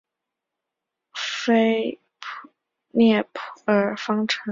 菲涅耳方程描述关于波动在界面的反射行为与透射行为。